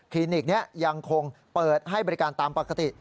นิกนี้ยังคงเปิดให้บริการตามปกติ